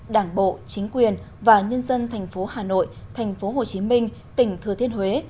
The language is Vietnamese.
đảng bộ chính quyền và nhân dân thành phố hà nội thành phố hồ chí minh tỉnh thừa thiên huế